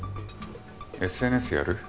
ＳＮＳやる？